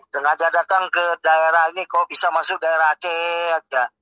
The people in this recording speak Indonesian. sengaja datang ke daerah ini kok bisa masuk daerah aceh